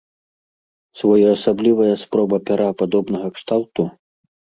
Своеасаблівая спроба пяра падобнага кшталту?